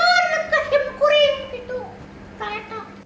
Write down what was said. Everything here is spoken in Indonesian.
jadi baru datang percayaan ke simkuri